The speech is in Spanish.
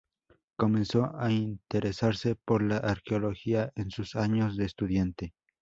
Comenzó a interesarse por la arqueología en sus años de estudiante.